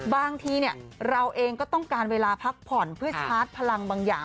บางทีเราเองก็ต้องการเวลาพักผ่อนเพื่อชาร์จพลังบางอย่าง